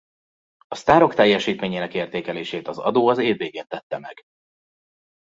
A sztárok teljesítményének értékelését az adó az év végén tette meg.